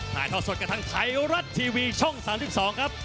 ถ่ายทอดสดกับทางไทยรัฐทีวีช่อง๓๒ครับ